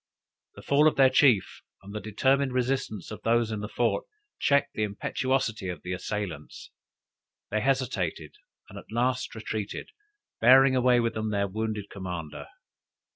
The fall of their chief, and the determined resistance of those in the fort, checked the impetuosity of the assailants. They hesitated, and at last retreated, bearing away with them their wounded commander.